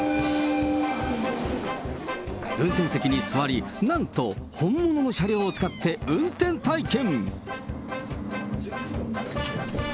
運転席に座り、なんと本物の車両を使って運転体験。